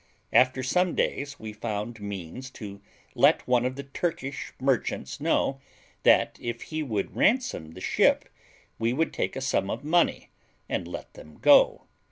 After some days we found means to let one of the Turkish merchants know, that if he would ransom the ship we would take a sum of money and let them go.